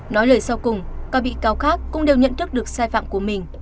nói lời sau cùng các bị cáo khác cũng đều nhận thức được sai phạm của mình